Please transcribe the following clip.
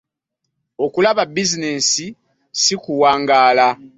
Okulaba ebinene si kuwangaala .